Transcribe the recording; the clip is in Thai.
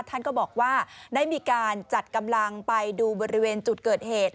ท่านก็บอกว่าได้มีการจัดกำลังไปดูบริเวณจุดเกิดเหตุ